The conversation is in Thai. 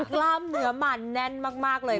กล้ามเนื้อมันแน่นมากเลย